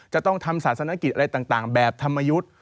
จะต้องทำศาสนกิจอะไรต่างแบบธรรมยุทธ์